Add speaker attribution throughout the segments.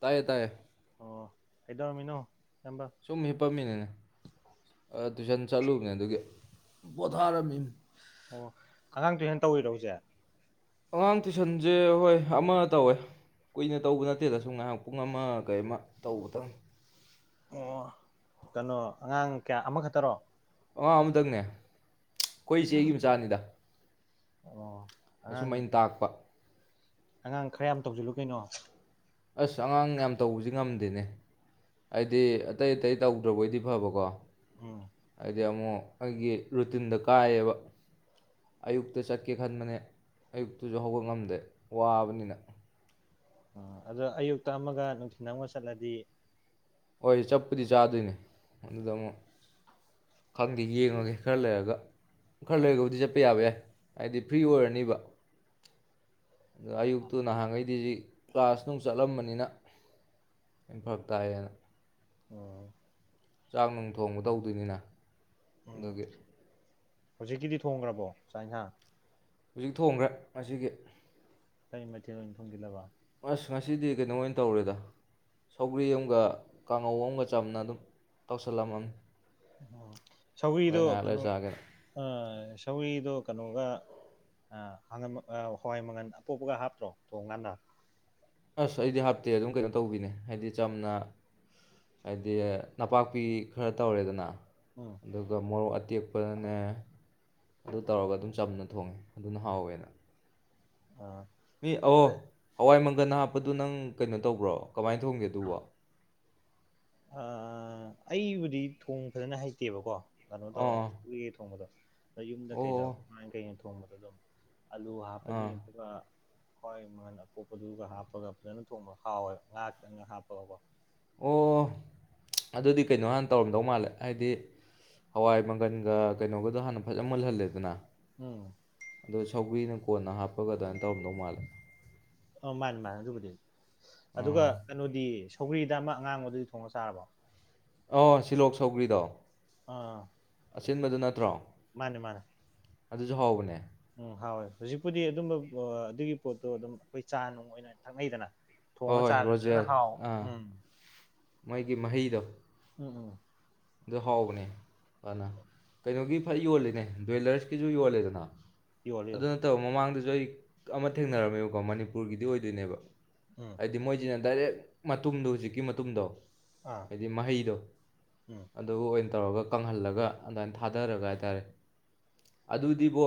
Speaker 1: ꯇꯌꯦ ꯇꯌꯦ
Speaker 2: ꯀꯩꯗꯧꯔꯃꯤꯅꯣ
Speaker 1: ꯆꯨꯝꯃꯤ ꯄꯝꯃꯤꯅꯤꯅꯦ ꯑ ꯇꯨꯏꯁꯟ ꯆꯠꯂꯨꯕꯅꯦ ꯑꯗꯨꯒꯤ ꯄꯣꯊꯥꯔꯝꯃꯤꯝ
Speaker 2: ꯑꯣ ꯑꯉꯥꯡꯗꯨꯨ ꯍꯦꯟ ꯇꯧꯋꯤꯔꯣ ꯖꯦ
Speaker 1: ꯑꯉꯥꯡ ꯇꯨꯏꯁꯟꯖꯦ ꯍꯣꯏ ꯑꯃ ꯇꯧꯋꯦ ꯀꯨꯏꯅ ꯇꯧꯕ ꯅꯠꯇꯦꯗ ꯁꯨꯝ ꯉꯥꯏꯍꯥꯛ ꯄꯨꯡ ꯑꯃ ꯀꯩ ꯑꯃ ꯇꯧꯕꯇꯪ
Speaker 2: ꯑꯣ ꯀꯅꯣ ꯑꯉꯥꯡ ꯀꯌꯥ ꯑꯃꯈꯛꯇꯔꯣ
Speaker 1: ꯑꯉ ꯑꯃꯨꯗꯪꯅꯦ ꯈꯣꯏ ꯏꯆꯦꯒꯤ ꯃꯆꯥꯅꯤꯗ
Speaker 2: ꯑꯣ
Speaker 1: ꯑꯁꯨꯝ
Speaker 2: ꯑꯉꯥꯡ
Speaker 1: ꯑꯩꯟ ꯇꯥꯛꯄ
Speaker 2: ꯑꯉꯥꯡ ꯈꯌꯥꯝ ꯇꯧꯖꯤꯜꯂꯨ ꯀꯩꯅꯣ
Speaker 1: ꯑꯁ ꯑꯉꯥꯡ ꯌꯥꯝ ꯇꯧꯕꯖꯤ ꯉꯝꯗꯦꯅꯦ ꯍꯥꯏꯗꯤ ꯑꯇꯩ ꯑꯇꯩ ꯇꯧꯗ꯭ꯔꯕꯣꯏꯗꯤ ꯐꯕꯀꯣ
Speaker 2: ꯎꯝ
Speaker 1: ꯗꯤ ꯑꯃꯨꯛ ꯑꯩꯒꯤ ꯔꯨꯇꯤꯟꯗ ꯀꯥꯏꯌꯦꯕ ꯑꯌꯨꯛꯇ ꯆꯠꯀꯦ ꯈꯟꯕꯅꯦ ꯑꯌꯨꯛꯇꯖꯨ ꯍꯧꯒꯠ ꯉꯝꯗꯦ ꯋꯥꯕꯅꯤꯅ
Speaker 2: ꯑ ꯑꯗꯣ ꯑꯌꯨꯛꯇ ꯑꯃꯒ ꯅꯨꯡꯊꯤꯟ ꯑꯃꯒ ꯆꯠꯂꯗꯤ
Speaker 1: ꯍꯣꯏ ꯆꯞꯄꯨꯗꯤ ꯆꯥꯗꯣꯏꯅꯤ ꯑꯗꯨꯗ ꯑꯃꯨꯛ ꯈꯪꯗꯦ ꯌꯦꯡꯉꯒꯦ ꯈꯔ ꯂꯩꯔꯒ ꯈꯔ ꯂꯩꯔꯒꯕꯨꯗꯤ ꯆꯠꯄ ꯌꯥꯕ ꯌꯥꯏ ꯍꯥꯏꯗꯤ ꯐ꯭ꯔꯤ ꯑꯣꯏꯔꯅꯤꯕ ꯑ ꯑꯌꯨꯛꯇꯨ ꯅꯍꯥꯟꯒꯩꯗꯤ ꯖꯤ ꯀ꯭ꯂꯥꯁ ꯅꯨꯡ ꯆꯠꯂꯝꯕꯅꯤꯅ ꯐꯔꯛ ꯇꯥꯏꯌꯦꯅ
Speaker 2: ꯑꯣ
Speaker 1: ꯆꯥꯛ ꯅꯨꯡ ꯊꯣꯡꯕ ꯇꯧꯗꯨꯏꯅꯤꯅ
Speaker 2: ꯎꯝ
Speaker 1: ꯗꯨꯒꯤ
Speaker 2: ꯍꯧꯖꯤꯛꯀꯤꯗꯤ ꯊꯣꯡꯈ꯭ꯔꯕꯣ ꯆꯥꯛ ꯏꯟꯁꯥꯡ
Speaker 1: ꯍꯧꯖꯤꯛ ꯊꯣꯡꯈ꯭ꯔꯦ ꯉꯁꯤꯒꯤ
Speaker 2: ꯀꯩ ꯃꯊꯦꯜ ꯑꯣꯏꯟ ꯊꯣꯡꯖꯤꯜꯂꯕ
Speaker 1: ꯑꯁ ꯉꯁꯤꯗꯤ ꯀꯩꯅꯣ ꯑꯣꯏꯅ ꯇꯧꯔꯦꯗ ꯁꯧꯒ꯭ꯔꯤ ꯑꯝꯒ ꯀꯥꯡꯉꯧ ꯑꯝꯒ ꯆꯝꯅ ꯑꯗꯨꯝ ꯇꯧꯁꯜꯂꯝꯃꯝ
Speaker 2: ꯑꯣ ꯁꯧꯒꯔ꯭ꯤ ꯗꯣ ꯀꯅꯣ
Speaker 1: ꯆꯥꯒꯦꯅ
Speaker 2: ꯑ ꯁꯧꯒꯔ꯭ꯤ ꯗꯣ ꯀꯅꯣꯒ ꯑ ꯍꯉꯝ ꯑ ꯍꯋꯥꯏ ꯃꯪꯒꯟ ꯑꯄꯣꯛꯄꯒ ꯍꯥꯞꯇ꯭ꯔꯣ ꯊꯣꯡꯒꯥꯟꯗ
Speaker 1: ꯑꯁ ꯑꯩꯗꯤ ꯍꯥꯞꯇꯦ ꯑꯗꯨꯝ ꯀꯩꯅꯣ ꯇꯧꯕꯤꯅꯦ ꯍꯥꯏꯗꯤ ꯆꯝꯅ ꯍꯥꯏꯗꯤ ꯅꯄꯥꯛꯄꯤ ꯈꯔ ꯇꯧꯔꯦꯗꯅ
Speaker 2: ꯎꯝ
Speaker 1: ꯑꯗꯨꯒ ꯃꯣꯔꯣꯛ ꯑꯇꯦꯛꯄꯅꯅꯦ ꯑꯗꯨ ꯇꯧꯔꯒ ꯑꯗꯨꯝ ꯆꯝꯅ ꯊꯣꯡꯉꯦ ꯑꯗꯨꯅ ꯍꯥꯎꯋꯦꯅ
Speaker 2: ꯑ
Speaker 1: ꯃꯤ
Speaker 2: ꯑꯗ
Speaker 1: ꯑꯧꯋꯣ ꯍꯋꯥꯏ ꯃꯪ ꯈꯒꯟ ꯍꯥꯞꯄꯗꯨ ꯅꯪ ꯀꯩꯅꯣ ꯇꯧꯕ꯭ꯔꯣ ꯀꯃꯥꯏꯟ ꯊꯣꯡꯒꯦ ꯑꯗꯨꯕ
Speaker 2: ꯑꯥ ꯑꯩꯕꯨꯗꯤ ꯊꯣꯡ ꯐꯖꯅ ꯍꯩꯇꯦꯕꯀꯣ ꯀꯅꯣ ꯇꯧꯔ
Speaker 1: ꯑꯣ
Speaker 2: ꯎꯌꯦ ꯊꯣꯡꯕꯗꯣ ꯑꯗ ꯌꯨꯝꯗ ꯀꯩꯗ
Speaker 1: ꯑꯣ
Speaker 2: ꯀꯋꯥꯟ ꯀꯩꯅ ꯊꯣꯡꯕꯗ ꯑꯗꯨꯝ ꯑꯜꯂꯨ ꯍꯥꯄꯅꯤ
Speaker 1: ꯑꯥ
Speaker 2: ꯑꯗꯨꯒ ꯍꯣꯏ ꯃꯟ ꯑꯄꯣꯛꯄꯗꯨꯒ ꯍꯥꯞꯄꯒ ꯐꯖꯅ ꯊꯣꯡꯕꯒ ꯍꯥꯎꯋꯦꯕ ꯉꯍꯥꯛ ꯈꯤꯇꯪꯒ ꯍꯥꯞꯄꯒꯀꯣ
Speaker 1: ꯑꯣ ꯑꯗꯨꯗꯤ ꯀꯩꯅꯣ ꯍꯥꯟꯅ ꯇꯧꯔꯝꯗꯧ ꯃꯥꯜꯂꯦ ꯍꯥꯏꯗꯤ ꯍꯋꯥꯏ ꯃꯪꯒꯟꯒ ꯀꯩꯅꯣꯒꯗꯣ ꯍꯥꯟꯅ ꯐꯖꯅ ꯃꯨꯜꯍꯜꯂꯦꯗꯅ
Speaker 2: ꯎꯝ
Speaker 1: ꯁꯧꯒꯔꯤꯅ ꯀꯣꯟꯅ ꯍꯥꯞꯄꯒ ꯑꯗꯨꯃꯥꯏꯅ ꯇꯧꯔꯝꯗꯧ ꯃꯥꯜꯂꯦ
Speaker 2: ꯑ ꯃꯥꯅꯤ ꯃꯥꯅꯦ ꯑꯗꯨꯕꯨꯗꯤ ꯑꯗꯨꯒ
Speaker 1: ꯑꯥ
Speaker 2: ꯀꯩꯅꯣꯗꯤ ꯁꯧꯒ꯭ꯔꯤꯗ ꯑꯃ ꯑꯉꯥꯡꯕꯗꯨꯗꯤ ꯊꯣꯡꯉ ꯆꯥꯔꯕꯣ
Speaker 1: ꯑ ꯁꯤꯂꯣꯛ ꯁꯧꯒ꯭ꯔꯤꯗꯣ
Speaker 2: ꯑꯥ
Speaker 1: ꯑꯁꯤꯟꯕꯗꯨ ꯅꯠꯇ꯭ꯔꯣ
Speaker 2: ꯃꯥꯅꯦ ꯃꯥꯅꯦ
Speaker 1: ꯑꯗꯨꯁꯨ ꯍꯧꯕꯅꯦ
Speaker 2: ꯎꯝ ꯍꯥꯎꯣꯏ ꯍꯧꯖꯤꯛꯄꯨꯗꯤ ꯑꯗꯨꯝꯕ ꯑꯗꯨꯒꯤ ꯄꯣꯠꯇꯣ ꯑꯗꯨꯝ ꯑꯩꯈꯣꯏ ꯆꯥ ꯅꯨꯡ ꯑꯣꯏꯅ ꯊꯛꯅꯩꯗꯅ
Speaker 1: ꯑ
Speaker 2: ꯊꯣꯡꯉ
Speaker 1: ꯍꯣꯏ
Speaker 2: ꯆꯥꯔꯁꯨ ꯐꯖꯅ
Speaker 1: ꯔꯣꯖꯔ
Speaker 2: ꯍꯥꯎ
Speaker 1: ꯑꯥ
Speaker 2: ꯎꯝ
Speaker 1: ꯃꯣꯏꯒꯤ ꯃꯍꯩꯗꯣ
Speaker 2: ꯎꯝ ꯎꯝ
Speaker 1: ꯑꯗꯨ ꯍꯥꯎꯕꯅꯦ ꯐꯅ ꯀꯩꯅꯣꯒꯤ ꯐ ꯌꯣꯜꯂꯤꯅꯦ ꯗ꯭ꯋꯦꯂꯔꯁꯀꯤꯁꯨ ꯌꯣꯜꯂꯦꯗꯅ
Speaker 2: ꯌꯣꯜꯂꯤ
Speaker 1: ꯑꯗꯨ
Speaker 2: ꯌꯣꯜꯂꯤ
Speaker 1: ꯅꯠꯇꯕ ꯃꯃꯥꯡꯗꯁꯨ ꯑꯩ ꯑꯃ ꯊꯦꯡꯅꯔꯝꯃꯦꯕꯀꯣ ꯃꯅꯤꯄꯨꯔꯒꯤꯗꯤ ꯑꯣꯏꯗꯣꯏꯅꯦꯕ
Speaker 2: ꯎꯝ
Speaker 1: ꯍꯥꯏꯗꯤ ꯃꯣꯏꯗꯤ ꯗꯥꯏꯔꯦꯛ ꯃꯇꯨꯝꯗꯣ ꯍꯧꯖꯤꯛꯀꯤ ꯃꯇꯨꯝꯗꯣ
Speaker 2: ꯑꯥ
Speaker 1: ꯍꯥꯏꯗꯤ ꯃꯍꯩꯗꯣ
Speaker 2: ꯎꯝ
Speaker 1: ꯑꯗꯨ ꯇꯧꯔꯒ ꯀꯪꯍꯜꯂꯒ ꯑꯗꯨꯃꯥꯏꯅ ꯊꯥꯗꯔꯒ ꯍꯥꯏꯇꯥꯔꯦ ꯑꯗꯨꯗꯤꯕꯣ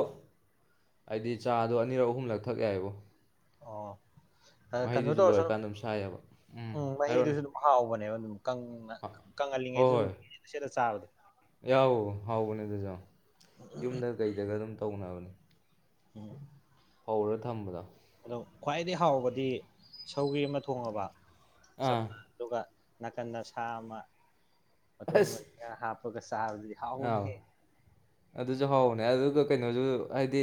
Speaker 1: ꯍꯥꯏꯗꯤ ꯆꯥꯗꯣ ꯑꯅꯤꯔꯛ ꯑꯍꯨꯝꯂꯛ ꯊꯛ ꯌꯥꯏꯕꯣ
Speaker 2: ꯑꯣ ꯀꯩꯅꯣ
Speaker 1: ꯃꯍꯩꯗꯨꯁꯨ
Speaker 2: ꯇꯧꯔꯁꯨ ꯑꯗꯨꯝ
Speaker 1: ꯂꯣꯏꯔꯀꯥꯟꯗ ꯁꯥ ꯌꯥꯕ
Speaker 2: ꯎꯝ
Speaker 1: ꯍꯥꯏꯔꯣꯅꯦ
Speaker 2: ꯃꯍꯤꯗꯨꯁꯨ ꯑꯗꯨꯝ ꯍꯥꯎꯕꯅꯦꯕ ꯑꯗꯨꯝ ꯀꯪꯅ
Speaker 1: ꯍꯣꯏ
Speaker 2: ꯀꯪꯍꯜꯂꯤꯉꯩꯗꯨꯝ
Speaker 1: ꯍꯣꯏ
Speaker 2: ꯁꯦꯗ ꯆꯥꯕꯗꯣ
Speaker 1: ꯌꯥꯎ ꯍꯥꯎꯕꯅꯤꯗꯖꯥꯎ ꯌꯨꯝꯗ ꯀꯩꯗꯒ ꯑꯗꯨꯝ ꯇꯧꯅꯕꯅꯦ
Speaker 2: ꯎꯝ
Speaker 1: ꯐꯧꯔ ꯊꯝꯕꯗ
Speaker 2: ꯑꯗꯣ ꯈ꯭ꯋꯥꯏꯗꯒꯤꯩ ꯍꯥꯎꯕꯗꯤ ꯁꯧꯒꯤ ꯑꯃ ꯊꯣꯡꯉꯕ ꯁ
Speaker 1: ꯑꯥ
Speaker 2: ꯑꯗꯨꯒ ꯅꯥꯀꯟꯗ ꯁꯥ ꯑꯃ ꯃ ꯃ
Speaker 1: ꯑꯁ
Speaker 2: ꯍꯥꯄꯒ ꯆꯥꯔꯗꯤ
Speaker 1: ꯑꯥꯎ
Speaker 2: ꯍꯥꯎꯕꯅꯤꯍꯥ
Speaker 1: ꯑꯗꯨꯁꯨ ꯍꯥꯎꯕꯅꯦ ꯑꯗꯨꯒ ꯀꯩꯅꯣꯁꯨ ꯍꯥꯏꯗꯤ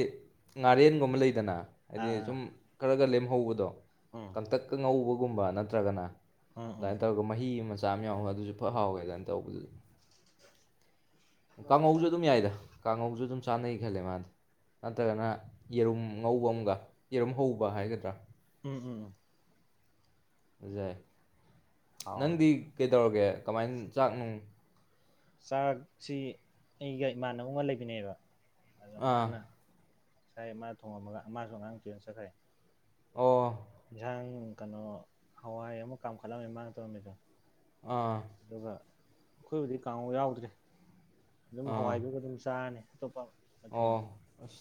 Speaker 1: ꯉꯥꯔꯦꯟꯒꯨꯝꯕ ꯂꯩꯗꯅ ꯍꯥꯏꯗꯤ
Speaker 2: ꯑꯥ ꯑꯥ
Speaker 1: ꯁꯨꯝ ꯈꯔꯒ ꯂꯦꯝꯍꯧ ꯕꯗꯣ
Speaker 2: ꯎꯝ
Speaker 1: ꯀꯪꯇꯛꯀ ꯉꯧꯕ ꯒꯨꯝꯕ ꯅꯠꯇ꯭ꯔꯒꯅ
Speaker 2: ꯎꯝ
Speaker 1: ꯑꯗꯨꯃꯥꯏ
Speaker 2: ꯎꯝ
Speaker 1: ꯇꯧꯔꯒ ꯃꯍꯤ ꯑꯃ ꯆꯥꯝ ꯌꯥꯎ ꯑꯗꯨꯁꯨ ꯐ ꯍꯥꯎꯋꯦ ꯑꯗꯨꯃꯥꯏꯅ ꯇꯧꯕꯗꯨꯁꯨ ꯀꯥꯡꯍꯧꯁꯨ ꯑꯗꯨꯝ ꯌꯥꯏꯗ ꯀꯥꯡꯉꯧꯁꯨ ꯑꯗꯨꯝ ꯆꯥꯅꯩ ꯈꯜꯂꯦ ꯃꯥꯗꯤ ꯅꯠꯇ꯭ꯔꯒꯅ ꯌꯦꯔꯨꯝ ꯉꯧꯕ ꯑꯃꯒ ꯌꯦꯔꯨꯝ ꯍꯧꯕ ꯍꯥꯏꯒꯗ꯭ꯔꯥ
Speaker 2: ꯎꯝ ꯎꯝ
Speaker 1: ꯌꯥꯏ
Speaker 2: ꯍꯥꯎꯋꯦ
Speaker 1: ꯅꯪꯗꯤ ꯀꯩ ꯇꯧꯔꯒꯦ ꯀꯃꯥꯏꯅ ꯆꯥꯛ ꯅꯨꯡ
Speaker 2: ꯆꯥꯛꯁꯤ ꯑꯩꯒ ꯏꯃꯥꯟꯅꯕ ꯑꯃꯒ ꯂꯩꯃꯤꯟꯅꯩꯌꯦꯕ ꯑꯗ
Speaker 1: ꯑꯥ
Speaker 2: ꯃꯥꯅ [inaudible] ꯃꯥ ꯊꯣꯡꯉꯝꯃꯒ ꯃꯥꯁꯨ ꯑꯉꯥꯡ ꯇꯤ꯭ꯌꯨꯁꯟ ꯆꯠꯈ꯭ꯔꯦ
Speaker 1: ꯑꯣ
Speaker 2: ꯌꯦꯟꯁꯥꯡ ꯀꯩꯅꯣ ꯍꯋꯥꯏ ꯑꯃꯨꯛ ꯀꯥꯝꯈꯠꯂꯝꯃꯦ ꯃꯥꯅ ꯇꯧꯔꯝꯃꯤꯗꯣ
Speaker 1: ꯑꯥ
Speaker 2: ꯑꯗꯨꯒ ꯑꯩꯈꯣꯏꯕꯨꯗꯤ ꯀꯥꯡꯍꯧ ꯌꯥꯎꯗ꯭ꯔꯦ ꯑꯗꯨꯝ
Speaker 1: ꯑꯥ
Speaker 2: ꯍꯋꯥꯏꯗꯨꯒ ꯑꯗꯨꯝ ꯆꯥꯔꯅꯤ ꯇꯣꯞꯄ
Speaker 1: ꯑꯣ ꯑꯁ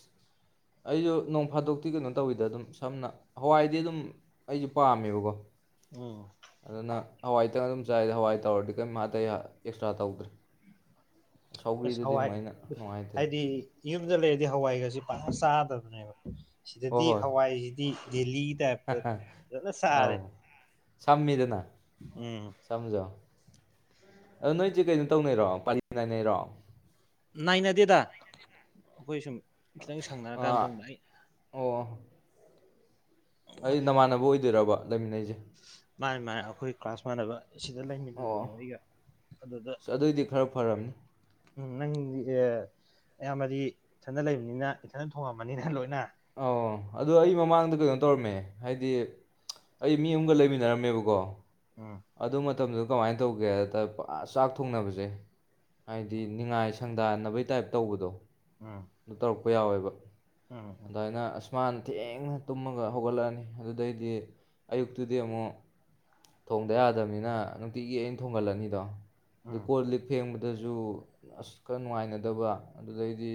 Speaker 1: ꯑꯩꯁꯨ ꯅꯣꯡ ꯐꯥꯗꯣꯛꯇꯤ ꯀꯩꯅꯣ ꯇꯧꯋꯤꯗ ꯑꯗꯨꯝ ꯁꯝꯅ ꯍꯋꯥꯏꯗꯤ ꯑꯗꯨꯝ ꯑꯩꯁꯨ ꯄꯥꯝꯃꯦꯕꯀꯣ
Speaker 2: ꯎꯝ
Speaker 1: ꯑꯗꯨꯅ ꯍꯋꯥꯏꯗꯪ ꯑꯗꯨꯝ ꯆꯥꯏꯗ ꯍꯋꯥꯏ ꯇꯧꯔꯗꯤ ꯀꯔꯤꯝ [inaudible] ꯑꯦꯛ꯭ꯁꯇ꯭ꯔꯥ ꯇꯧꯗ꯭ꯔꯦ
Speaker 2: ꯑꯁ
Speaker 1: ꯁꯧꯒ꯭ꯔꯤꯗꯨꯗꯤ ꯑꯃꯨꯛ
Speaker 2: ꯍꯋꯥꯏ
Speaker 1: ꯑꯩꯅ ꯅꯨꯡꯉꯥꯏꯇꯦꯅ
Speaker 2: ꯍꯥꯏꯗꯤ ꯌꯨꯝꯗ ꯂꯩ ꯍꯋꯥꯏꯒꯁꯤ ꯄꯥꯛꯅ ꯆꯥꯗꯕꯅꯦꯕ ꯁꯤꯗꯗꯤ ꯍꯋꯥꯏꯁꯤꯗꯤ ꯗꯦꯂꯤ
Speaker 1: ꯍ
Speaker 2: ꯇꯥꯏꯞꯇ
Speaker 1: ꯍ
Speaker 2: ꯑꯗꯨꯝ ꯐꯖꯅ
Speaker 1: ꯑꯧ
Speaker 2: ꯆꯥꯔꯦ
Speaker 1: ꯁꯝꯃꯃꯤꯗꯅꯅꯥ
Speaker 2: ꯎꯝ
Speaker 1: ꯁꯝꯖꯨ ꯑꯗꯣ ꯅꯣꯏꯁꯦ ꯀꯩꯅꯣ ꯇꯧꯅꯩꯔꯣ ꯄꯂꯤ ꯅꯥꯏꯅꯩꯔꯣ
Speaker 2: ꯅꯥꯏꯅꯗꯦꯗ ꯑꯩꯈꯣꯏ ꯁꯨꯝ ꯈꯤꯇꯪ ꯁꯪꯅꯔꯀꯥꯟꯗ
Speaker 1: ꯑꯥ
Speaker 2: ꯊꯣꯡꯕ ꯑꯩ
Speaker 1: ꯑꯣ ꯑꯩꯗꯨꯗꯤ ꯅꯃꯥꯟꯅꯕ ꯑꯣꯏꯗꯣꯏꯔꯕ ꯂꯩꯃꯤꯟꯅꯩꯁꯦ
Speaker 2: ꯃꯥꯅꯤ ꯃꯥꯅꯤ ꯑꯩꯈꯣꯏ ꯀ꯭ꯂꯥꯁ ꯃꯥꯟꯅꯕ ꯁꯤꯗ
Speaker 1: ꯑꯣ
Speaker 2: ꯂꯩꯃꯤꯟꯅꯕꯅꯦꯕ ꯑꯩꯒ ꯑꯗꯨꯗ
Speaker 1: ꯑꯁ ꯑꯗꯨꯑꯣꯏꯗꯤ ꯈꯔ ꯐꯔꯝꯅꯤ
Speaker 2: ꯎꯝ ꯅꯪꯗꯤ ꯑꯦ ꯑꯌꯥꯝꯕꯗꯤ ꯏꯊꯟꯗ ꯂꯩꯕꯅꯤꯅ ꯏꯊꯟꯗ ꯊꯣꯡꯉꯝꯃꯅꯤꯅꯦ ꯂꯣꯏꯅ
Speaker 1: ꯑꯧ ꯑꯗꯣ ꯑꯩ ꯃꯃꯥꯡꯗ ꯀꯩꯅꯣ ꯇꯧꯔꯝꯃꯦ ꯍꯥꯏꯗꯤ ꯑꯩ ꯃꯤ ꯑꯃꯒ ꯂꯩꯃꯤꯟꯅꯔꯝꯃꯦꯕꯀꯣ
Speaker 2: ꯎꯝ
Speaker 1: ꯑꯗꯨ ꯃꯇꯝꯗꯨ ꯀꯃꯥꯏꯅ ꯇꯧꯒꯦ ꯍꯥꯏ ꯇꯔꯦ ꯆꯥꯛ ꯊꯣꯡꯅꯕꯁꯦ ꯍꯥꯏꯗꯤ ꯅꯤꯡꯅꯤꯉꯥꯏ ꯁꯪꯗꯥꯟꯅꯕꯩ ꯇꯥꯏꯞ ꯇꯧꯕꯗꯣ
Speaker 2: ꯎꯝ
Speaker 1: ꯄ ꯌꯥꯎꯋꯦꯕ
Speaker 2: ꯎꯝ ꯎꯝ
Speaker 1: ꯑꯗꯨꯃꯥꯏꯅ ꯃꯅ ꯊꯦꯡꯅ ꯇꯨꯝꯃꯒ ꯍꯧꯒꯠꯂꯛꯑꯅꯤ ꯑꯗꯨꯗꯩꯗꯤ ꯑꯌꯨꯛꯇꯨꯗꯤ ꯑꯃꯨꯛ ꯊꯣꯡꯗ ꯌꯥꯗꯕꯅꯤꯅ ꯅꯨꯡꯇꯤꯒꯤ ꯑꯩꯅ ꯊꯣꯡꯒꯠꯂꯅꯤꯗꯣ
Speaker 2: ꯎꯝ
Speaker 1: ꯀꯣꯜꯂꯤꯛ ꯐꯦꯡꯕ ꯑꯗꯨꯁꯨ ꯑꯁ ꯈꯔ ꯅꯨꯡꯉꯥꯏꯅꯗꯕ ꯑꯗꯨꯗꯩꯗꯤ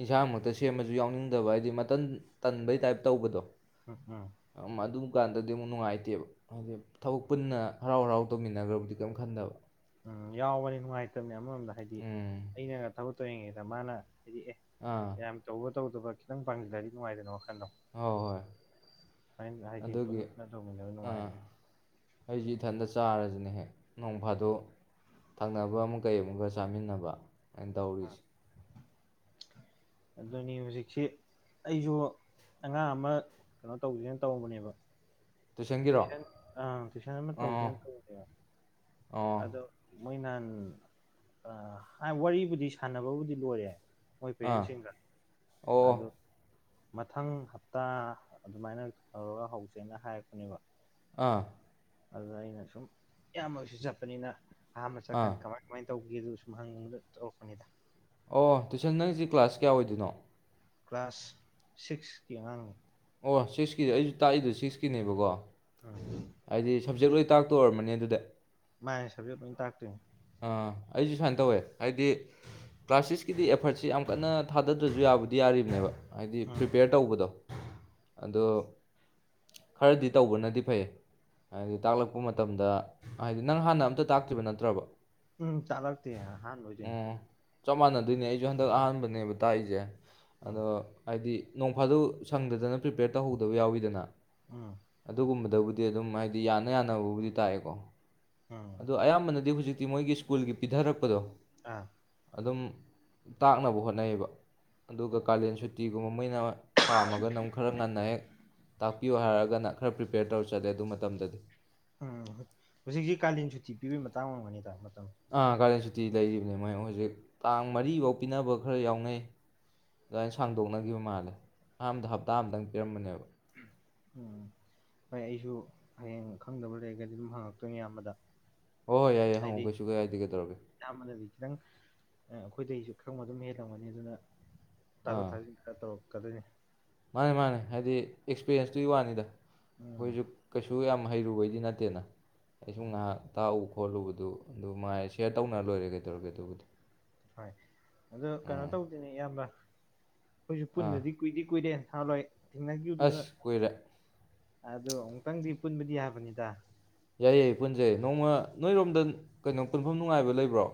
Speaker 1: ꯏꯟꯁꯥꯡꯃꯛꯇ ꯁꯦꯝꯃꯁꯨ ꯌꯥꯎꯅꯤꯡꯗꯕ ꯍꯥꯏꯗꯤ ꯃꯇꯟ ꯇꯟꯕꯩ ꯇꯥꯏꯞ ꯇꯧꯕꯗꯣ
Speaker 2: ꯎꯝ ꯎꯝ
Speaker 1: ꯑꯗꯨ ꯀꯥꯟꯗꯗꯤ ꯑꯃꯨꯛ ꯅꯨꯡꯉꯥꯏꯇꯦꯕ ꯍꯥꯏꯗꯤ ꯊꯕꯛ ꯄꯨꯟꯅ ꯍꯔꯥꯎ ꯍꯔꯥꯎ ꯇꯧꯃꯤꯟꯅꯈ꯭ꯔꯕꯨꯗꯤ ꯀꯔꯤꯝ ꯈꯟꯗꯕ
Speaker 2: ꯎꯝ ꯌꯥꯎꯕꯅꯤ ꯅꯨꯡꯉꯥꯏꯇꯕꯅꯦ ꯑꯃꯔꯣꯝꯗ ꯍꯥꯏꯗꯤ
Speaker 1: ꯎꯝ
Speaker 2: ꯑꯩꯅꯒ ꯊꯕꯛ ꯇꯧꯔꯤꯉꯩꯗ ꯃꯅ ꯍꯥꯏꯗꯤ ꯑꯦ
Speaker 1: ꯑꯥ
Speaker 2: ꯌꯥꯝ ꯇꯧꯕ ꯇꯧꯗꯕ ꯈꯤꯇꯪ ꯄꯥꯡꯖꯤꯜꯂꯗꯤ ꯅꯨꯡꯉꯥꯏꯗꯅ ꯅꯠꯇ꯭ꯔꯣ
Speaker 1: ꯍꯣꯏ ꯍꯣꯏ
Speaker 2: ꯍꯥꯏꯗꯤ
Speaker 1: ꯑꯗꯨꯒꯤ
Speaker 2: ꯄꯨꯟꯅ ꯄꯨꯟꯅ ꯇꯧꯃꯤꯟꯅꯕ ꯅꯨꯡꯉꯥꯏꯌꯦꯕ
Speaker 1: ꯑꯩꯁꯤ ꯏꯊꯟꯇ ꯆꯥꯔꯁꯤꯅꯦ ꯍꯦꯛ ꯅꯣꯡ ꯐꯥꯗꯣꯛ ꯊꯥꯪꯅꯕ ꯑꯃꯨꯛ ꯀꯩ ꯑꯃꯨꯛꯀ ꯆꯥꯃꯤꯟꯅꯕ ꯇꯩꯔꯤꯁꯤ
Speaker 2: ꯑꯗꯨꯅꯤ ꯍꯧꯖꯤꯛꯁꯤ ꯑꯩꯁꯨ ꯑꯉꯥꯡ ꯑꯃ ꯀꯩꯅꯣ ꯇꯧꯁꯤꯅ ꯇꯧꯕꯅꯦꯕ
Speaker 1: ꯇꯨꯏꯁꯟꯒꯤꯔꯣ
Speaker 2: ꯇꯨꯏꯁꯟ ꯑꯪ ꯇꯨꯏꯁꯟ ꯑꯃ
Speaker 1: ꯑꯣ
Speaker 2: ꯇꯧꯁꯤꯅ ꯇꯧꯕꯅꯦꯕ
Speaker 1: ꯑꯣ
Speaker 2: ꯑꯗꯣ ꯃꯣꯏꯅꯍ ꯋꯥꯔꯤꯕꯨꯗꯤ ꯁꯥꯟꯅꯕꯕꯨꯗꯤ ꯂꯣꯏꯔꯦ ꯃꯣꯏ
Speaker 1: ꯑꯥ
Speaker 2: ꯄꯦꯔꯦꯟꯁꯤꯡꯒ
Speaker 1: ꯑꯣ
Speaker 2: ꯑꯗꯣ ꯃꯊꯪ ꯍꯞꯇꯥ ꯑꯗꯨꯃꯥꯏꯅ ꯇꯧꯔꯒ ꯍꯧꯁꯦꯅ ꯍꯥꯏꯔꯛꯄꯅꯦꯕ
Speaker 1: ꯑꯥ
Speaker 2: ꯑꯗꯨꯗ ꯑꯩꯅ ꯁꯨꯝ ꯏꯌꯥꯝꯕꯁꯨ ꯆꯠꯄꯅꯤꯅ ꯑꯍꯥꯟꯕ
Speaker 1: ꯑꯥ
Speaker 2: ꯆꯠꯀꯥꯟꯗ ꯀꯃꯥꯏ ꯀꯃꯥꯏ ꯇꯧꯒꯦꯗꯨ ꯁꯨꯝꯍꯪꯒꯦꯗ ꯇꯧꯔꯛꯄꯅꯤꯗ
Speaker 1: ꯑꯣ ꯇꯨꯏꯁꯟ ꯅꯪꯁꯤ ꯀ꯭ꯂꯥꯁ ꯀꯌꯥ ꯑꯣꯏꯗꯣꯏꯅꯣ
Speaker 2: ꯀ꯭ꯂꯥꯁ ꯁꯤꯛꯁꯀꯤ ꯑꯉꯥꯡꯅꯤ
Speaker 1: ꯑꯣ ꯁꯤꯛꯁꯀꯤꯗꯤ ꯑꯩꯁꯨ ꯇꯥꯛꯏꯗꯣ ꯁꯤꯛꯁꯀꯤꯅꯦꯕꯀꯣ
Speaker 2: ꯎꯝ
Speaker 1: ꯍꯥꯢꯗꯤ ꯁꯞꯖꯦꯛ ꯂꯣꯏ ꯇꯥꯛꯇꯣꯏ ꯑꯣꯏꯔꯃꯅꯤ ꯑꯗꯨꯗꯤ
Speaker 2: ꯃꯥꯥꯟꯅꯦ ꯁꯕꯖꯦꯛ ꯂꯣꯏ ꯇꯥꯛꯇꯣꯏꯅꯦ
Speaker 1: ꯑꯩꯁꯨ ꯁꯨꯃꯥꯏꯅ ꯇꯧꯋꯦ ꯍꯥꯏꯗꯤ ꯀ꯭ꯂꯥꯁ ꯁꯤꯛꯁꯀꯤꯗꯤ ꯑꯦꯐꯔꯠꯁꯤ ꯌꯥꯝ ꯀꯟꯅ ꯊꯥꯗꯗ꯭ꯔꯁꯨ ꯌꯥꯕꯅꯤ ꯌꯥꯔꯤꯕꯅꯦꯕ ꯍꯥꯏꯗꯤ
Speaker 2: ꯎꯝ
Speaker 1: ꯄ꯭ꯔꯤꯄꯦꯌꯔ ꯇꯧꯕꯗꯣ ꯑꯗꯣ ꯈꯔꯗꯤ ꯇꯧꯕꯅꯗꯤ ꯐꯩ ꯍꯥꯏꯗꯤ ꯇꯥꯛꯂꯛꯄ ꯃꯇꯝꯗ ꯍꯥꯏꯗꯤ ꯅꯪ ꯍꯥꯟꯅ ꯑꯝꯇ ꯇꯥꯛꯇ꯭ꯔꯤꯕ ꯅꯠꯇ꯭ꯔꯕ
Speaker 2: ꯎꯝ ꯇꯥꯛꯂꯛꯇꯦ ꯑꯍꯥꯟꯕ ꯑꯣꯏꯗꯣꯏꯅꯦ
Speaker 1: ꯑꯣ ꯆꯞ ꯃꯥꯟꯅꯗꯣꯏꯅꯦ ꯑꯩꯁꯨ ꯍꯟꯗꯛ ꯑꯍꯥꯟꯕꯅꯦꯕ ꯇꯥꯛꯏꯁꯦ
Speaker 2: ꯎꯝ
Speaker 1: ꯑꯗꯣ ꯍꯥꯏꯗꯤ ꯅꯣꯡ ꯐꯥꯗꯣꯛ ꯁꯪꯗꯗꯅ ꯄ꯭ꯔꯤꯄꯦꯌꯔ ꯇꯧꯍꯧꯗꯕ ꯌꯥꯎꯋꯤꯗꯅ
Speaker 2: ꯎꯝ
Speaker 1: ꯑꯗꯨꯒꯨꯝꯕꯗ ꯑꯗꯨꯕꯨꯗꯤ ꯑꯗꯨꯝ ꯍꯥꯏꯗꯤ ꯌꯥꯅ ꯌꯥꯅꯕꯕꯨꯗꯤ ꯇꯥꯛꯑꯦꯀꯣ
Speaker 2: ꯎꯝ
Speaker 1: ꯑꯗꯣ ꯑꯌꯥꯝꯕꯅꯗꯤ ꯍꯧꯖꯤꯛ ꯇꯤ ꯃꯣꯏꯒꯤ ꯁ꯭ꯀꯨꯜꯒꯤ ꯄꯤꯊꯔꯛꯄꯗꯣ
Speaker 2: ꯑꯥ
Speaker 1: ꯑꯗꯨꯝ ꯇꯥꯛꯅꯕ ꯍꯣꯠꯅꯩꯌꯦꯕ ꯑꯗꯨꯒ ꯀꯥꯂꯦꯟ ꯁꯨꯇꯤꯒꯨꯝꯕ ꯃꯣꯏꯅ ꯄꯥꯝꯃꯒꯅꯨꯛ ꯈꯔ ꯉꯟꯅ ꯍꯦꯛ ꯇꯥꯛꯄꯤꯌꯣ ꯍꯥꯏꯔꯒꯅ ꯈꯔ ꯄ꯭ꯔꯤꯄꯦꯌꯔ ꯇꯧꯔ ꯆꯠꯂꯦ ꯑꯗꯨ ꯃꯇꯝꯗꯗꯤ
Speaker 2: ꯎꯝ ꯍꯧꯖꯤꯛꯖꯤ ꯀꯥꯂꯦꯟ ꯁꯨꯇꯤ ꯄꯤꯕꯒꯤ ꯃꯇꯥꯡ ꯑꯣꯏꯒꯅꯤꯗ ꯃꯇꯝ
Speaker 1: ꯑꯥ ꯀꯥꯂꯦꯟ ꯁꯨꯇꯤ ꯂꯩꯔꯤꯕꯅꯦ ꯃꯣꯏ ꯍꯧꯖꯤꯛ ꯇꯥꯡ ꯃꯔꯤꯐꯧ ꯄꯤꯅꯕ ꯈꯔ ꯌꯥꯎꯅꯩ ꯑꯗꯨꯃꯥꯏꯅ ꯁꯥꯡꯗꯣꯛꯅꯈꯤꯕ ꯃꯥꯜꯂꯦ ꯑꯍꯥꯟꯕꯗ ꯍꯞꯇꯥ ꯑꯃꯇꯪ ꯄꯤꯔꯝꯕꯅꯦꯕ
Speaker 2: ꯎꯝ ꯍꯣꯏ ꯑꯩꯁꯨ ꯍꯌꯦꯡ ꯈꯪꯗꯕ ꯂꯩꯔꯒꯗꯤ ꯑꯗꯨꯝ ꯍꯪꯉꯛꯇꯣꯏꯅꯤ ꯏꯌꯥꯝꯕꯗ
Speaker 1: ꯍꯣꯏ ꯍꯣꯏ ꯌꯥꯏ ꯌꯥꯏ
Speaker 2: ꯍꯥꯏꯗꯤ
Speaker 1: ꯍꯪꯉꯛꯎ ꯀꯩꯁꯨ ꯀꯥꯏꯗꯦ ꯀꯩꯗꯧꯔꯒꯦ
Speaker 2: ꯏꯌꯥꯝꯕꯅꯗꯤ ꯈꯤꯇꯪ ꯑꯩꯈꯣꯏꯗꯁꯨ ꯈꯪꯕ ꯑꯗꯨꯝ ꯍꯦꯜꯂꯝꯃꯅꯤ ꯑꯗꯨꯅ ꯇꯥꯊꯣꯛ
Speaker 1: ꯑꯥ
Speaker 2: ꯇꯥꯁꯤꯟ ꯈꯔ ꯇꯧꯔꯛꯀꯦ ꯍꯪꯉꯛꯀꯗꯣꯏꯅꯦ
Speaker 1: ꯃꯥꯅꯦ ꯃꯥꯅꯦ ꯍꯥꯏꯗꯤ ꯑꯦꯛꯁꯄꯤꯔꯌꯦꯟꯁꯇꯨꯒꯤ ꯋꯥꯅꯤꯗ
Speaker 2: ꯎꯝ
Speaker 1: ꯑꯩꯈꯣꯏꯁꯨ ꯀꯩꯁꯨ ꯌꯥꯝ ꯍꯩꯔꯨꯕꯒꯤ ꯅꯠꯇꯦꯗꯅ ꯑꯩꯁꯨ ꯉꯥꯏꯍꯥꯛ ꯇꯥꯛꯎꯕ ꯈꯣꯠꯂꯨꯕꯗꯨ ꯑꯗꯨ ꯃꯉꯥꯏ ꯁꯤꯔ ꯃꯥ ꯂꯣꯏꯔꯦ ꯀꯩꯗꯧꯔꯒꯦ ꯑꯗꯨꯕꯨꯗꯤ
Speaker 2: ꯍꯣꯏ ꯑꯗꯣ ꯀꯩꯅꯣ
Speaker 1: ꯎꯝ
Speaker 2: ꯇꯧꯗꯣꯏꯅꯦ ꯏꯌꯥꯝꯕ ꯑꯩꯈꯣꯏꯁꯨ ꯄꯨꯟꯗꯕꯗꯤ ꯀꯨꯏꯗꯤ ꯀꯨꯏꯔꯦ ꯊꯥ ꯂꯣꯏ
Speaker 1: ꯑꯁ ꯀꯨꯏꯔꯦ
Speaker 2: ꯑꯗꯣ ꯑꯃꯨꯛꯇꯪꯗꯤ ꯄꯨꯟꯕꯗꯤ ꯌꯥꯕꯅꯤꯗ
Speaker 1: ꯌꯥꯏ ꯌꯥꯏ ꯄꯨꯟꯖꯦ ꯅꯣꯡꯃ ꯅꯣꯏꯔꯣꯝꯗ ꯀꯩꯅꯣ ꯄꯨꯟꯐꯝ ꯅꯨꯡꯉꯥꯏꯕ ꯂꯩꯕ꯭ꯔꯣ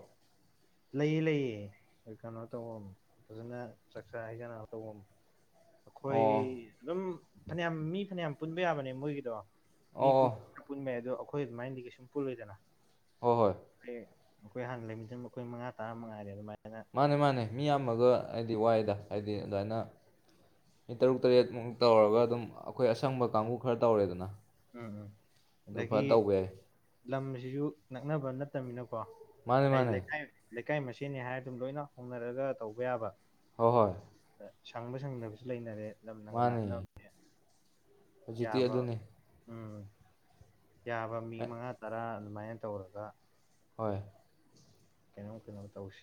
Speaker 2: ꯂꯩꯌꯦ ꯂꯩꯌꯦ ꯀꯩꯅꯣ ꯇꯧ ꯐꯖꯅ ꯆꯥꯛꯆꯥ ꯍꯩꯖꯅ ꯇꯧꯕꯝ ꯑꯩꯈꯣꯏ
Speaker 1: ꯑꯣ
Speaker 2: ꯑꯗꯨꯝ ꯐꯅꯌꯥꯝ ꯃꯤ ꯐꯅꯌꯥꯝ ꯄꯨꯟꯕ ꯌꯥꯕꯅꯦ ꯃꯣꯏꯒꯤꯗꯣ
Speaker 1: ꯑꯣ
Speaker 2: ꯃꯤ
Speaker 1: ꯑꯣ
Speaker 2: ꯀꯨꯟ ꯄꯨꯟꯕ ꯌꯥꯏ ꯑꯗꯣ ꯑꯩꯈꯣꯏ ꯑꯗꯨꯃꯥꯏꯅꯗꯤ ꯀꯩꯁꯨꯝ ꯄꯨꯜꯂꯣꯏꯗꯅ
Speaker 1: ꯍꯣꯏ ꯍꯣꯏ
Speaker 2: ꯍꯦꯛ ꯑꯩꯈꯣꯏ ꯍꯥꯟꯅ ꯂꯩꯃꯤꯅ ꯑꯩꯈꯣꯏ ꯃꯉꯥ ꯇꯔꯥꯃꯛ ꯉꯥꯏꯔꯦ ꯑꯗꯨꯃꯥꯏꯅ
Speaker 1: ꯃꯥꯅꯦ ꯃꯥꯅꯦ ꯃꯤ ꯌꯥꯝꯃꯒ ꯍꯥꯏꯗꯤ ꯋꯥꯏꯗ ꯍꯥꯏꯗꯤ ꯑꯗꯨꯃꯥꯏꯅ ꯃꯤ ꯇꯔꯨꯛ ꯇꯔꯦꯠꯃꯨꯛ ꯇꯧꯔꯒ ꯑꯗꯨꯝ ꯑꯩꯈꯣꯏ ꯑꯁꯪꯕ ꯀꯥꯡꯕꯨ ꯈꯔ ꯇꯧꯔꯦꯗꯅ
Speaker 2: ꯎꯝ ꯎꯝ
Speaker 1: ꯑꯗꯨ
Speaker 2: ꯑꯗꯒꯤ
Speaker 1: ꯐꯖꯅ ꯇꯧꯕ ꯌꯥꯏ
Speaker 2: ꯂꯝꯁꯤꯁꯨ ꯅꯛꯅꯕ ꯅꯠ ꯇꯝꯅꯤꯅꯀꯣ
Speaker 1: ꯃꯥꯅꯦ
Speaker 2: ꯑꯩ
Speaker 1: ꯃꯥꯅꯦ
Speaker 2: ꯂꯩꯀꯥꯏ ꯂꯩꯀꯥꯏ ꯃꯁꯦꯟꯅꯤ ꯍꯥꯏꯔ ꯂꯣꯏꯅ ꯍꯧꯅꯔꯒ ꯇꯧꯕ ꯌꯥꯕ
Speaker 1: ꯍꯣꯏ ꯍꯣꯏ
Speaker 2: ꯁꯪꯕ ꯁꯪꯗꯕꯁꯨ ꯂꯩꯅꯔꯦ ꯂꯝꯅꯒ
Speaker 1: ꯃꯥꯅꯦ
Speaker 2: ꯂꯥꯞꯅꯕꯅꯦ
Speaker 1: ꯍꯧꯖꯤꯛꯇꯤ
Speaker 2: ꯌꯥꯕ
Speaker 1: ꯑꯗꯨꯅꯤ
Speaker 2: ꯎꯝ ꯌꯥꯕ ꯃꯤ ꯃꯉꯥ ꯇꯔꯥ ꯑꯗꯨꯃꯥꯏꯅ ꯇꯧꯔꯒ
Speaker 1: ꯍꯣꯏ
Speaker 2: ꯀꯩꯅꯣꯝ ꯀꯩꯅꯣ ꯇꯧꯁꯤ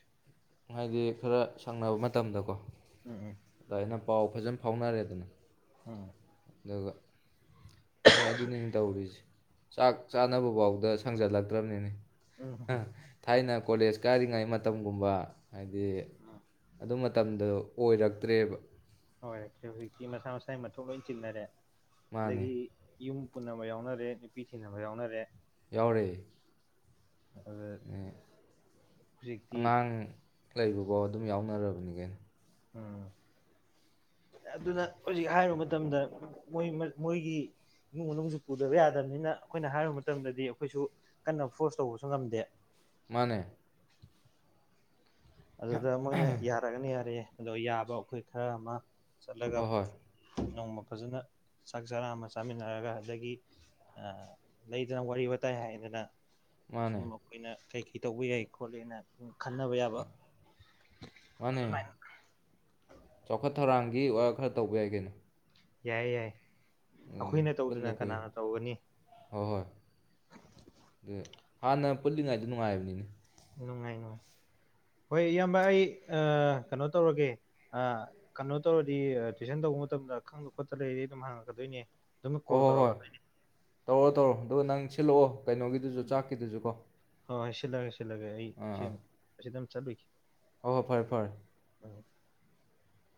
Speaker 1: ꯍꯥꯏꯗꯤ ꯈꯔ ꯁꯪꯅꯕ ꯃꯇꯝꯗꯀꯣ
Speaker 2: ꯎꯝ ꯎꯝ
Speaker 1: ꯑꯗꯨꯃꯥꯏꯅ ꯄꯥꯎ ꯐꯖꯟ ꯐꯥꯎꯅꯔꯦꯗꯅ
Speaker 2: ꯎꯝ
Speaker 1: ꯑꯗꯨꯒ ꯍꯣꯏ ꯑꯗꯨꯅꯤꯅꯦ ꯇꯧꯔꯤꯁꯤ ꯆꯥꯛ ꯆꯥꯅꯕ ꯕꯕꯥꯎꯗ ꯁꯪꯖꯜꯂꯛꯇ꯭ꯔꯝꯅꯤꯅꯦ
Speaker 2: ꯎꯝ ꯎꯝ
Speaker 1: ꯊꯥꯏꯅ ꯀꯣꯂꯦꯖ ꯀꯥꯔꯤꯉꯩ ꯃꯇꯝꯒꯨꯝꯕ ꯍꯥꯏꯗꯤ
Speaker 2: ꯎꯝ
Speaker 1: ꯑꯗꯨ ꯃꯇꯝꯗꯣ ꯑꯣꯏꯔꯛꯇ꯭ꯔꯦꯕ
Speaker 2: ꯍꯣꯌꯦ ꯍꯧꯖꯤꯛꯇꯤ ꯃꯁꯥ ꯃꯁꯥꯒꯤ ꯃꯊꯧ ꯂꯣꯏ ꯆꯤꯟꯅꯔꯦ
Speaker 1: ꯃꯥꯅꯦ
Speaker 2: ꯑꯗꯒꯤ ꯌꯨꯝ ꯄꯨꯟꯅꯕ ꯌꯥꯎꯅꯔꯦ ꯅꯨꯄꯤ ꯊꯤꯅꯕ ꯌꯥꯎꯅꯔꯦ
Speaker 1: ꯌꯥꯎꯔꯦ
Speaker 2: ꯑꯗ
Speaker 1: ꯑꯦ,
Speaker 2: ꯍꯧꯖꯤꯛꯇꯤ
Speaker 1: ꯂꯩꯕꯕꯧ ꯑꯗꯨꯝ ꯌꯥꯎꯅꯔꯕꯅꯤ ꯀꯩꯅꯣ
Speaker 2: ꯎꯝ ꯑꯗꯨꯅ ꯍꯧꯖꯤꯛ ꯍꯥꯏꯔꯨ ꯃꯇꯝꯗ ꯃꯣꯏ ꯃꯥ ꯃꯣꯏꯒꯤ ꯏꯃꯨꯡ ꯃꯅꯨꯡꯁꯨ ꯄꯨꯗꯕ ꯌꯥꯗꯕꯅꯤꯅ ꯑꯩꯈꯣꯏꯅ ꯍꯥꯏꯔꯨꯕ ꯃꯇꯝꯗꯗꯤ ꯑꯩꯈꯣꯏꯁꯨ ꯀꯟꯅ ꯐꯣꯔꯁ ꯇꯧꯕꯁꯨ ꯉꯝꯗꯦ
Speaker 1: ꯃꯥꯅꯦ
Speaker 2: ꯑꯗꯨꯗ ꯃꯣꯏꯅ ꯌꯥꯔꯒꯅ ꯌꯥꯔꯦ ꯑꯗꯣ ꯌꯥꯕ ꯑꯩꯈꯣꯏ ꯈꯔ ꯑꯃ ꯆꯠꯂꯒ
Speaker 1: ꯍꯣꯏ ꯍꯣꯏ
Speaker 2: ꯅꯣꯡꯃ ꯐꯖꯅ ꯆꯥꯛ ꯆꯔꯥ ꯑꯃ ꯆꯥꯃꯤꯟꯅꯔꯒ ꯑꯗꯒꯤ ꯂꯩꯗꯅ ꯋꯥꯔꯤ ꯋꯥꯇꯥꯏ ꯍꯥꯏꯔꯦꯗꯅ
Speaker 1: ꯃꯥꯅꯦ
Speaker 2: ꯁꯨꯝ ꯑꯩꯈꯣꯏꯅ ꯀꯩ ꯀꯩ ꯇꯧꯕ ꯌꯥꯏ ꯈꯣꯠꯂꯦꯅ ꯈꯟꯅꯕ ꯌꯥꯕ
Speaker 1: ꯃꯅꯦ
Speaker 2: ꯑꯗꯨꯃꯥꯏꯅ
Speaker 1: ꯆꯥꯎꯈꯠ ꯊꯧꯔꯥꯡꯒꯤ ꯑꯣ ꯈꯔ ꯇꯧꯕ ꯌꯥꯏ ꯀꯩꯅꯣ
Speaker 2: ꯌꯥꯏ ꯌꯥꯏ
Speaker 1: ꯑꯗꯨꯅꯤ
Speaker 2: ꯑꯩꯈꯣꯏꯅ
Speaker 1: ꯄꯨꯟꯗ
Speaker 2: ꯇꯧꯗꯅ
Speaker 1: ꯀꯨꯏꯔꯦ
Speaker 2: ꯀꯅꯥꯅ ꯇꯧꯒꯅꯤ
Speaker 1: ꯍꯣꯏ ꯍꯥꯅꯥ ꯄꯨꯂꯤꯉꯦ ꯗ ꯅꯨꯉꯥꯏ ꯕꯅꯤꯅꯦ
Speaker 2: ꯅꯨꯡꯉꯥꯏ ꯅꯨꯡꯉꯥꯏ ꯍꯣꯏ ꯏꯌꯥꯝꯕ ꯑꯩ ꯀꯩꯅꯣ ꯇꯧꯔꯒꯦ ꯀꯩꯅꯣ ꯇꯧꯔꯗꯤ ꯇꯨꯏꯁꯟ ꯇꯧꯕ ꯃꯇꯝꯗ ꯈꯡꯕ ꯈꯣꯠ ꯂꯩꯔꯗꯤ ꯑꯗꯨꯝ ꯍꯥꯡꯉꯛꯀꯗꯣꯏꯅꯂ
Speaker 1: ꯍꯣꯏ ꯍꯣꯏ ꯍꯣꯏ ꯇꯧꯔꯣ ꯇꯧꯔꯣ ꯑꯗꯨꯒ ꯅꯡ ꯈꯜꯂꯛꯑꯣ ꯀꯩꯅꯣꯒꯤꯗꯨꯁꯨ ꯆꯥꯛꯀꯤꯗꯨꯁꯨ ꯀꯣ
Speaker 2: ꯍꯣꯏ ꯁꯤꯂꯥꯒꯦ ꯁꯤꯜ ꯆꯥꯏꯜꯂꯒꯦ ꯑꯩ ꯁꯤꯑꯃꯨꯛ ꯑꯁꯤꯗꯃ ꯆꯠꯂꯨꯏꯒ‌ꯦ
Speaker 1: ꯑꫭ ꯐꯔꯦ ꯐꯔꯦ
Speaker 2: [unintelligible]